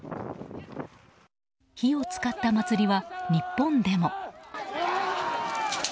火を使った祭りは日本でも。